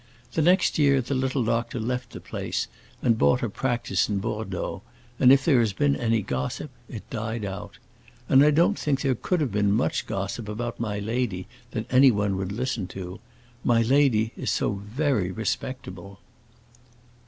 The next year the little doctor left the place and bought a practice in Bordeaux, and if there has been any gossip it died out. And I don't think there could have been much gossip about my lady that anyone would listen to. My lady is so very respectable."